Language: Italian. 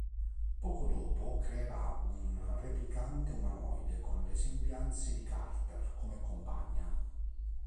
Poco dopo creerà un Replicante umanoide con le sembianze di Carter, come compagna.